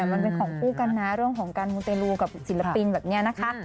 มันเป็นของคู่กันนะเรื่องของการมูเตลูกับศิลปินแบบนี้นะคะ